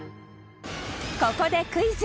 ここでクイズ！